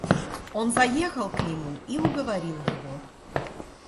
Он заехал к нему и уговорил его.